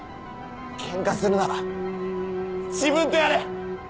ケンカするなら自分とやれ！